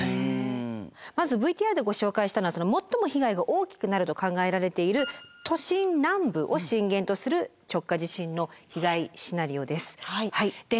まずＶＴＲでご紹介したのは最も被害が大きくなると考えられている都心南部を震源とする直下地震の被害シナリオです。